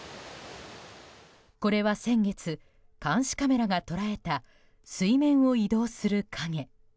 これは先月、監視カメラが捉えた水面を移動する影。